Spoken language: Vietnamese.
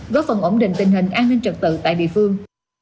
góp phần ổn định tình hình an ninh trật tự tại địa phương